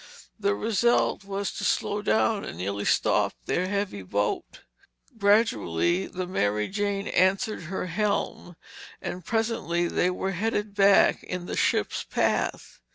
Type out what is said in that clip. The result was to slow down and nearly stop their heavy boat. Gradually the Mary Jane answered her helm and presently they were headed back in the ship's path.